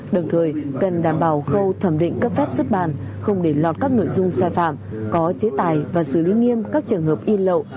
đồng thời cần đảm bảo khâu thẩm định cấp phép xuất bàn không để lọt các nội dung sai phạm có chế tài và xử lý nghiêm các trường hợp in lậu